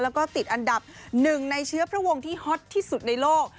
แล้วก็ติดอันดับหนึ่งในเชื้อพระวงที่ฮอตที่สุดในโลก